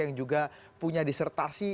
yang juga punya disertasi